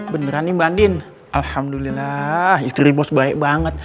beneran nih bhandin alhamdulillah istri bos baik banget